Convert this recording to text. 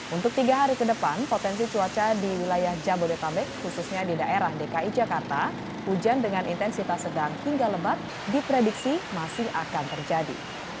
untuk tiga hari ke depan potensi cuaca di wilayah jabodetabek khususnya di daerah dki jakarta hujan dengan intensitas sedang hingga lebat diprediksi masih akan terjadi